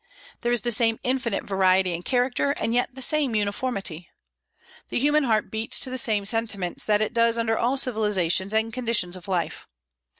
There is the same infinite variety in character, and yet the same uniformity. The human heart beats to the same sentiments that it does under all civilizations and conditions of life.